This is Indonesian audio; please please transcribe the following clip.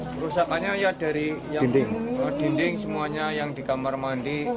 kerusakannya ya dari dinding semuanya yang di kamar mandi